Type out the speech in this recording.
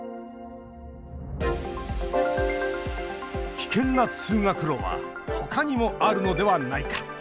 危険な通学路はほかにもあるのではないか。